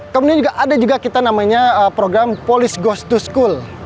kemudian juga ada juga kita namanya program polis ghost to school